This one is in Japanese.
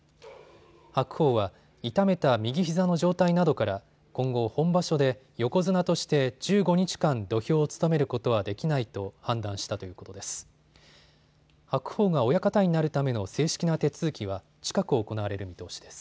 白鵬は痛めた右ひざの状態などから今後、本場所で横綱として１５日間、土俵を務めることはできないと判断したということです。